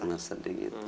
sangat sedih gitu